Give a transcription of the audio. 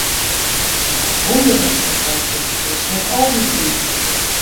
Noch in wûnder datst de wei fine koest nei al dy tiid.